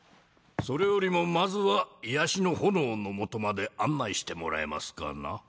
それよりもまずは癒しの炎の元まで案内してもらえますかな？